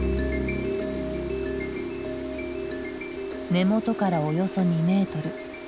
根元からおよそ２メートル。